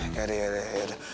yaudah yaudah yaudah